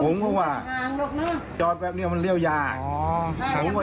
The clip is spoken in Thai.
ผมก็ว่าจอดแบบนี้มันเลี่ยวยาว